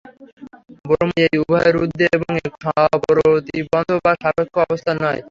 ব্রহ্ম এই উভয়ের ঊর্ধ্বে, এবং একটি সপ্রতিবন্ধ বা সাপেক্ষ অবস্থা নয়।